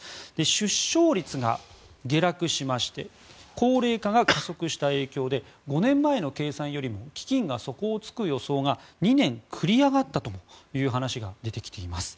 出生率が下落しまして高齢化が加速した影響で５年前の計算よりも基金が底をつく予想が２年繰り上がったという話が出てきています。